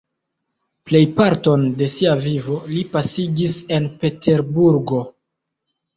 Plejparton de sia vivo li pasigis en Peterburgo.